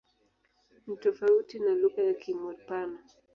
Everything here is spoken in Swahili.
Ni tofauti na lugha ya Kimur-Pano.